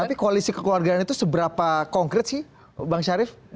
tapi koalisi kekeluargaan itu seberapa konkret sih bang syarif